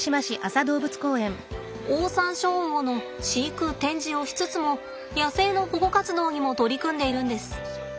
オオサンショウウオの飼育・展示をしつつも野生の保護活動にも取り組んでいるんです。